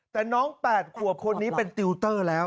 แต่น้อง๘ขวบคนนี้เป็นติวเตอร์แล้ว